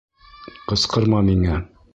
Ҡысҡырма миңә.